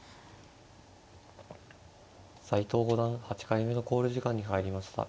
斎藤五段８回目の考慮時間に入りました。